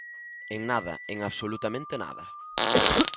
En nada, en absolutamente nada.